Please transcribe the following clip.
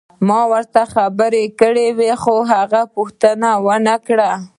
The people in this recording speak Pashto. ما ورته خبرې کړې وې خو هغه پوښتنه ونه کړه.